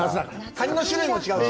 カニの種類も違うし。